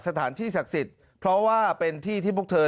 สถานที่ศักดิ์สิทธิ์เพราะว่าเป็นที่ที่พวกเธอ